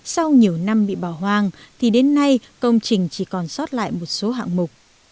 sau nhiều năm bị bỏ hoang thì đến nay công trình chỉ còn sót lại một số hạng mục